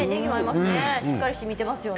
しっかりしみてますよね。